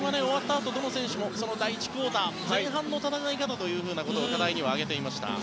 あとどの選手も第１クオーター、前半の戦い方を課題に挙げていました。